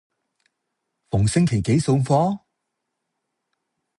逢星期幾送貨？